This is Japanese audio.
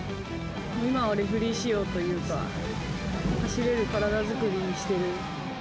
今はレフェリー仕様というか、走れる体作りをしている。